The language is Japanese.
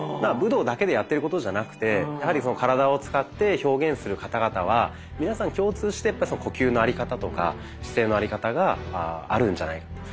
武道だけでやってることじゃなくてやはり体を使って表現する方々は皆さん共通して呼吸のあり方とか姿勢のあり方があるんじゃないか。